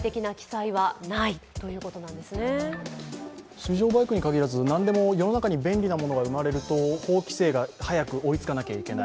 水上バイクにかぎらず、何でも世の中に便利なものが生まれると法規制が早く追いつかなきゃいけない。